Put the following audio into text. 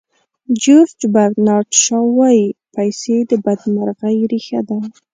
جیورج برنارد شاو وایي پیسې د بدمرغۍ ریښه ده.